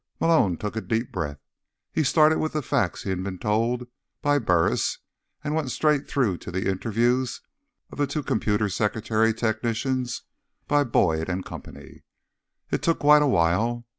Malone took a deep breath. He started with the facts he'd been told by Burris, and went straight through to the interviews of the two computer secretary technicians by Boyd and Company. It took quite awhile.